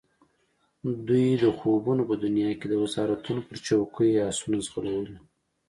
دوی د خوبونو په دنیا کې د وزارتونو پر چوکیو آسونه ځغلولي.